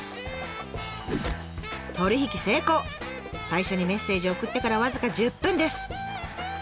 最初にメッセージを送ってから僅か１０分です。